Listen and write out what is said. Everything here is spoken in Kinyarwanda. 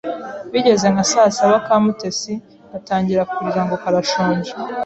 Bigeze nka saa saba ka Mutesi gatangira kurira ngo karashonje